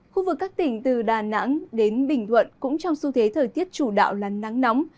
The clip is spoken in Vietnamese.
khu vực các tỉnh từ đà nẵng đến bình thuận cũng trong xu thế thời tiết chủ đạo là nắng nóng